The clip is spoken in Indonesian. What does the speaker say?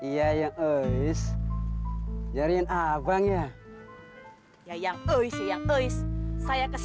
ya jangan lebih mau nyangkut